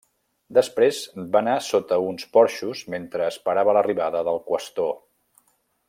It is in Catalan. Després va anar sota uns porxos mentre esperava l'arribada del qüestor.